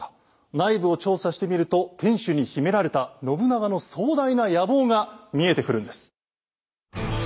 内部を調査してみると天主に秘められた信長の壮大な野望が見えてくるんです。